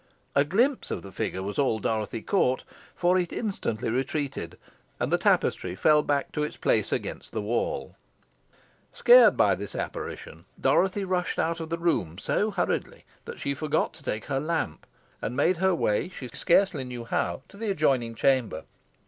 A glimpse of the figure was all Dorothy caught, for it instantly retreated, and the tapestry fell back to its place against the wall. Scared by this apparition, Dorothy rushed out of the room so hurriedly that she forgot to take her lamp, and made her way, she scarcely knew how, to the adjoining chamber.